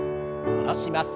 下ろします。